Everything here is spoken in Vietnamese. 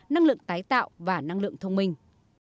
năng lượng tái tạo và năng lượng thông minh